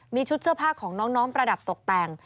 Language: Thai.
มีชุดเสื้อผ้าของน้องประดับตกแต่ง